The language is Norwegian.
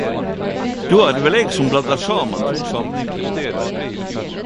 Då er det vel eg som blandar saman to samlingar.